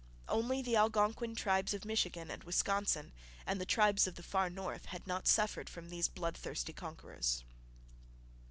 Only the Algonquin tribes of Michigan and Wisconsin and the tribes of the far north had not suffered from these bloodthirsty conquerors.